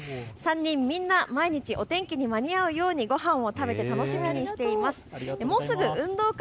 ３人みんな毎日、お天気に間に合うようにごはんを食べて楽しみにしています。